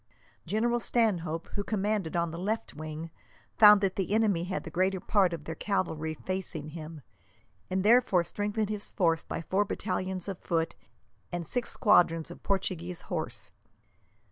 General Stanhope, who commanded on the left wing, found that the enemy had the greater part of their cavalry facing him, and therefore strengthened his force by four battalions of foot and six squadrons of Portuguese horse.